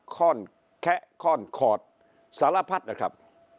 ข้อนแคะข้อนขอดสารพัดนะครับ